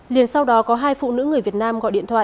liền sau đó có hai phụ nữ người việt nam gọi điện thoại